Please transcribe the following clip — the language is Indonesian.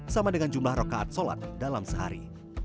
sama dengan jumlah rokaat sholat dalam sehari